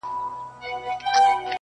كنډواله كي نه هوسۍ نه يې درك وو،